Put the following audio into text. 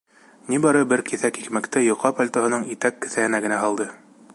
Ни бары бер киҫәк икмәкте йоҡа пальтоһының итәк кеҫәһенә генә һалды.